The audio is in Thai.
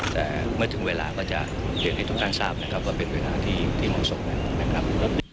แต่เมื่อถึงเวลาก็จะเรียนให้ทุกท่านทราบนะครับว่าเป็นเวลาที่เหมาะสมนะครับ